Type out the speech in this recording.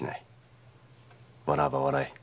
笑わば笑え。